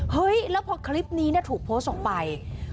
เฮ้ยแล้วพอคลิปนี้ถูกโพสต์ออกไป